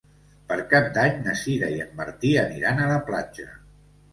Per Cap d'Any na Sira i en Martí aniran a la platja.